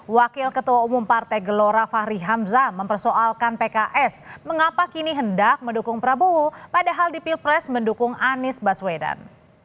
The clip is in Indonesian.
wakil ketua umum partai gelora fahri hamzah mempersoalkan pks mengapa kini hendak mendukung prabowo padahal di pilpres mendukung anies baswedan